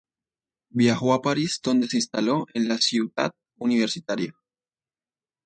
Viajó a París donde se instaló en la Ciutat Universitaria.